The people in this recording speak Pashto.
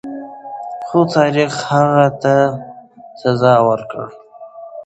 خو تاریخ هغه ته سزا ورکړه.